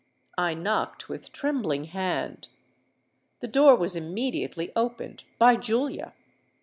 I knocked with trembling hand. Tho door was immediately opened—by Julia.